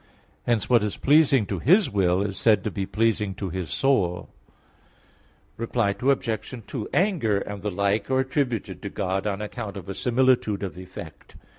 Hence what is pleasing to His will is said to be pleasing to His soul. Reply Obj. 2: Anger and the like are attributed to God on account of a similitude of effect.